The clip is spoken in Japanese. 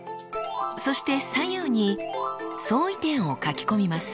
そして左右に「相違点」を書き込みます。